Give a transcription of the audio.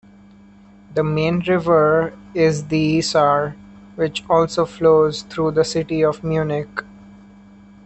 The main river is the Isar, which also flows through the city of Munich.